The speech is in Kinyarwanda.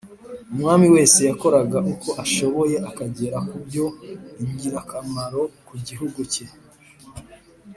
Umwami wese yakoraga uko ashoboye akagera kubyo ingirakamaro ku gihugu cye